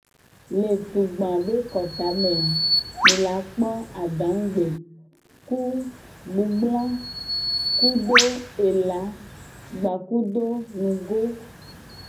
Le tugba be kota me a, mi la kpo adagbe ku gbugbla kudo ela gbakudo nugo.